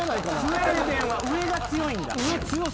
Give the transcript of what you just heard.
スウェーデンは上が強いんだ。